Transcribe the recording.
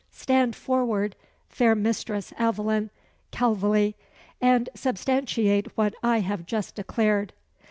Stand forward, fair Mistress Aveline Calveley, and substantiate what I have just declared."